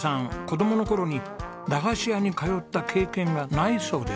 子どもの頃に駄菓子屋に通った経験がないそうです。